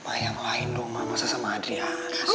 ma yang lain dong mama sama adriana sih